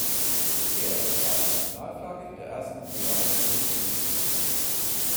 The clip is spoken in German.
Er entwarf die Nationalflagge der ersten georgischen Republik.